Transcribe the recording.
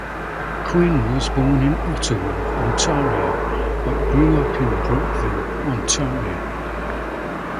Quinn was born in Ottawa, Ontario, but grew up in Brockville, Ontario.